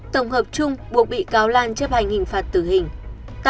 tổng hợp chung buộc bị cáo lan chấp hành hình phạt tử hình